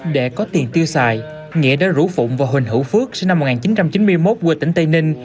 để có tiền tiêu xài nghĩa đã rủ phụng và huỳnh hữu phước sinh năm một nghìn chín trăm chín mươi một quê tỉnh tây ninh